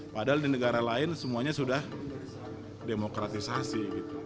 padahal di negara lain semuanya sudah demokratisasi